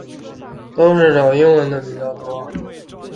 都是找英文的比较多